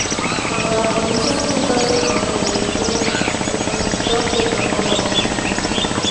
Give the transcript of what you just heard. Cuando la policía intentó detener el vehículo, el conductor detonó la bomba.